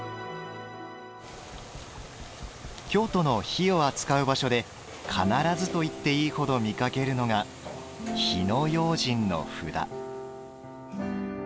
京都の火を扱う場所で必ずといっていいほど見かけるのが火迺要慎の札。